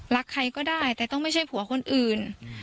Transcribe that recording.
ใครก็ได้แต่ต้องไม่ใช่ผัวคนอื่น